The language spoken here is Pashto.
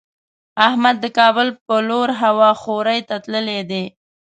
احمد د کابل په لور هوا خورۍ ته تللی دی.